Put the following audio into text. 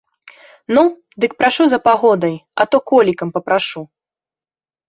Ну, дык прашу за пагодай, а то колікам папрашу.